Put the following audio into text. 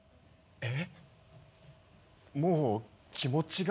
えっ？